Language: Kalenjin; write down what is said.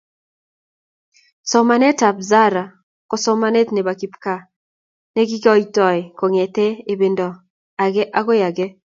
Somanetab zaraa ko somanetab nebo kipkaa nekikoitoi kongete ebendo age agoi age